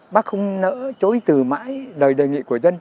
bác không nỡ chối từ mãi đời đời nghị của dân